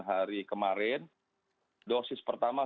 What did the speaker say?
dari kemarin dosis pertama